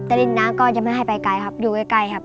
ริมน้ำก็จะไม่ให้ไปไกลครับอยู่ใกล้ครับ